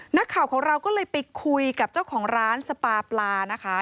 นักข่าวของเราก็เลยไปคุยกับเจ้าของร้านสปาปลานะคะ